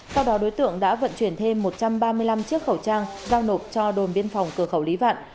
sau đó đối tượng đã vận chuyển thêm một trăm ba mươi năm chiếc khẩu trang giao nộp cho đồn biên phòng cửa khẩu lý vạn